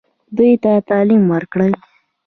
دوی ته تعلیم ورکړئ